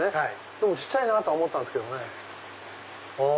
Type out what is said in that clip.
どうも小っちゃいなと思ったんですけどもね。